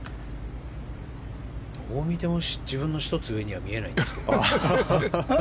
どう見ても自分の１つ上には見えないんですけど。